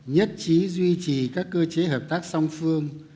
nhất trí duy trì các cơ chế hợp tác song phương